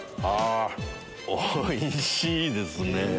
あおいしいですね。